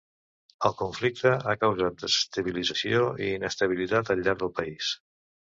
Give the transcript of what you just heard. El conflicte ha causat desestabilització i inestabilitat al llarg del país.